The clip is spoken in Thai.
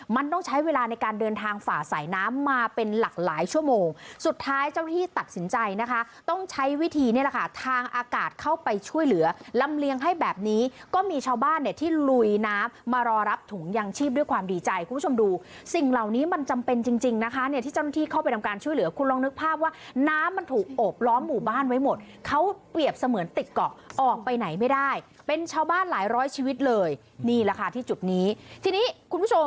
มันต้องใช้เวลาในการเดินทางฝ่าสายน้ำมาเป็นหลากหลายชั่วโมงสุดท้ายเจ้าหน้าที่ตัดสินใจนะคะต้องใช้วิธีนี่แหละค่ะทางอากาศเข้าไปช่วยเหลือลำเลียงให้แบบนี้ก็มีชาวบ้านที่ลุยน้ำมารอรับถุงยังชีพด้วยความดีใจคุณผู้ชมดูสิ่งเหล่านี้มันจำเป็นจริงนะคะที่เจ้าหน้าที่เข้าไปทำการช่วยเหลือค